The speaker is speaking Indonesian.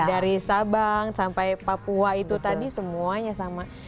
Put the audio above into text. dari sabang sampai papua itu tadi semuanya sama